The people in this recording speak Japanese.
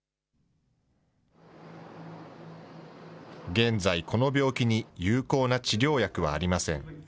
現在、この病気に有効な治療薬はありません。